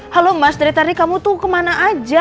halo mas dari tadi kamu tuh kemana aja